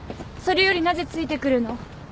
それよりなぜついてくるの？